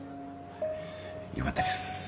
よかったです。